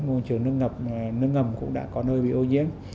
ngôi trường nước ngập nước ngầm cũng đã có nơi bị ô nhiễm